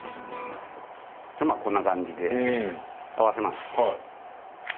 まあこんな感じで合わせます。